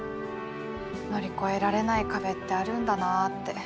乗り越えられない壁ってあるんだなって。